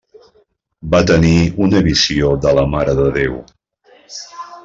Va tenir una visió de la Mare de Déu.